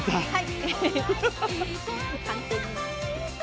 はい。